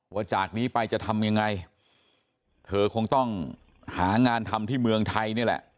จากนี้ไปจะทำยังไงเธอคงต้องหางานทำที่เมืองไทยนี่แหละ